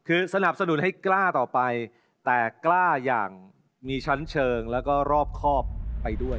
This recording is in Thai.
คือสนับสนุนให้กล้าต่อไปแต่กล้าอย่างมีชั้นเชิงแล้วก็รอบครอบไปด้วย